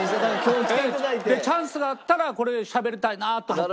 でチャンスがあったらこれしゃべりたいなと思って。